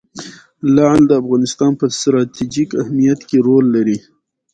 لعل د افغانستان په ستراتیژیک اهمیت کې رول لري.